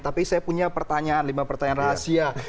tapi saya punya pertanyaan lima pertanyaan rahasia